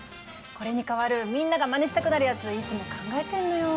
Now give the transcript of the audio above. これに代わるみんながマネしたくなるやついつも考えてんのよ。